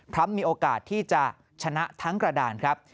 มีโอกาสที่จะชนะทั้งกระดานครับ